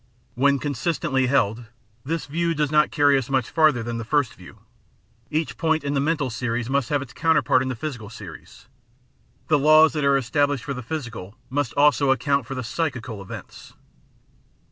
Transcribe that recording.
When consistently held, this view does not carry us much farther than the first view; each point in the mental series must have its counterpart in the physical series; the laws that are established for the physical must also account for the psychical events.